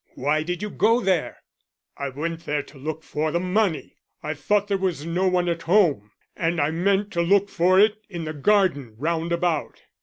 Why did you go there?" "I went there to look for the money. I thought there was no one at home and I meant to look for it in the garden round about."